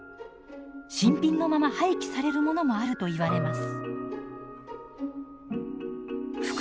新品のまま廃棄されるものもあるといわれます。